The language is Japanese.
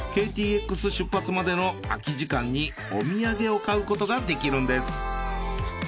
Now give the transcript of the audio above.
ＫＴＸ出発までの空き時間にお土産を買うことができるんです。